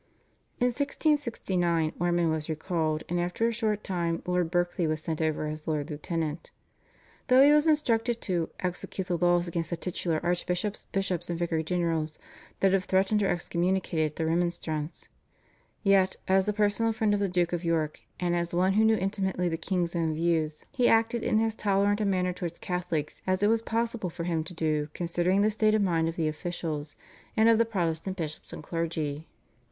In 1669 Ormond was recalled, and after a short time Lord Berkeley was sent over as Lord Lieutenant. Though he was instructed to "execute the laws against the titular archbishops, bishops, and vicar generals, that have threatened or excommunicated the Remonstrants," yet, as the personal friend of the Duke of York, and as one who knew intimately the king's own views, he acted in as tolerant a manner towards Catholics as it was possible for him to do considering the state of mind of the officials and of the Protestant bishops and clergy.